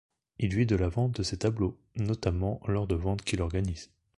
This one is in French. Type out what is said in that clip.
Il vit de la vente de ses tableaux, notamment lors de ventes qu’il organise.